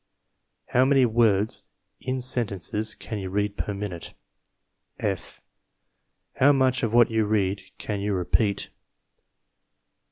How many words in sentences can you read per minute? F. How much of what you read can you repeat?